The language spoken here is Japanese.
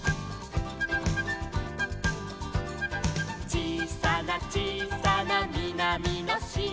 「ちいさなちいさなみなみのしまに」